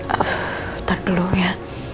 ah ntar dulu ya